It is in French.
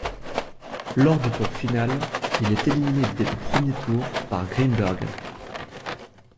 Lors du tour final, il est éliminé dès le premier tour par Grimbergen.